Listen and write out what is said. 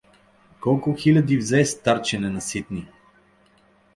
— Колко хиляди взе, старче ненаситни?